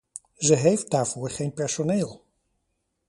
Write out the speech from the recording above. Ze heeft daarvoor geen personeel.